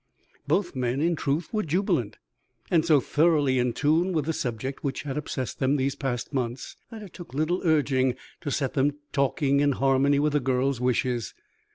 Both men, in truth, were jubilant, and so thoroughly in tune with the subject which had obsessed them these past months that it took little urging to set them talking in harmony with the girl's wishes.